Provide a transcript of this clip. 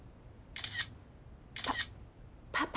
パパパ。